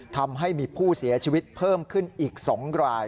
ทำให้มีผู้เสียชีวิตเพิ่มขึ้นอีก๒ราย